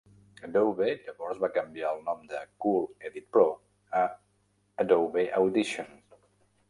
Adobe llavors va canviar el nom de Cool Edit Pro a "Adobe Audition".